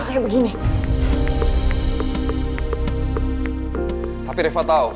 gue kaya ikut lendavia gitu kan